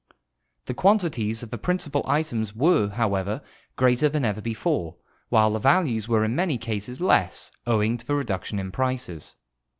The quantities of the principal items were, however, greater than ever before, while the values were in many cases less, owing to the reduc tion in prices.